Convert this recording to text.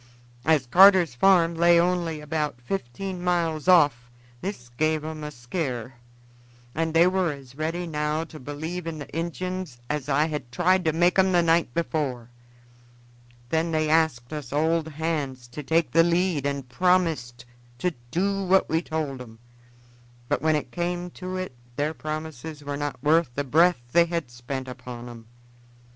As Carter's farm lay only about fifteen miles off this gave 'em a skear, and they were as ready now to believe in the Injuns as I had tried to make 'em the night before. Then they asked us old hands to take the lead and promised to do what we told 'em, but when it came to it their promises were not worth the breath they had spent upon 'em.